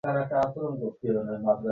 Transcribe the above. জানি না, অদ্ভুত ধরনের শব্দ!